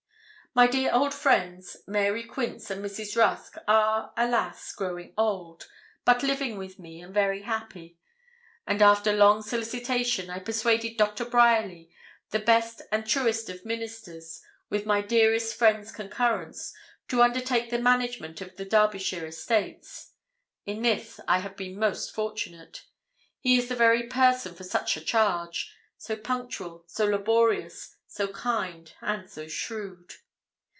My dear old friends, Mary Quince and Mrs. Rusk, are, alas! growing old, but living with me, and very happy. And after long solicitation, I persuaded Doctor Bryerly, the best and truest of ministers, with my dearest friend's concurrence, to undertake the management of the Derbyshire estates. In this I have been most fortunate. He is the very person for such a charge so punctual, so laborious, so kind, and so shrewd.